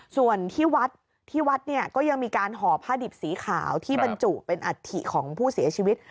ส่วนที่วัดที่วัดเนี่ยก็ยังมีการห่อผ้าดิบสีขาวที่บรรจุเป็นอัฐิของผู้เสียชีวิต